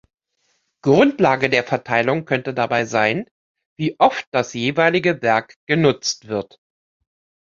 Grundlage der Verteilung könnte dabei sein, wie oft das jeweilige Werk genutzt wird.